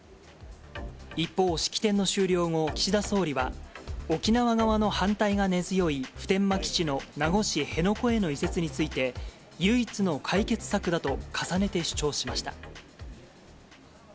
一方、式典の終了後、岸田総理は、沖縄側の反対が根強い普天間基地の名護市辺野古への移設について、唯一の解決策だと重ねて主張しました。